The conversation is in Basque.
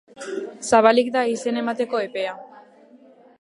Zabalik da izen emateko epea.